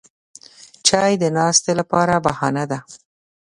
چای د ناستې لپاره بهانه ده